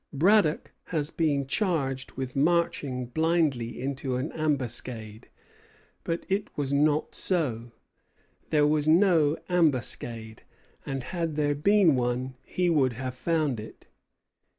Braddock has been charged with marching blindly into an ambuscade; but it was not so. There was no ambuscade; and had there been one, he would have found it.